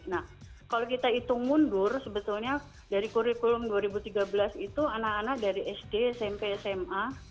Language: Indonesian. nah kalau kita hitung mundur sebetulnya dari kurikulum dua ribu tiga belas itu anak anak dari sd smp sma